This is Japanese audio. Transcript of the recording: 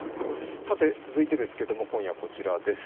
さて、続いてですけれども、今夜はこちらです。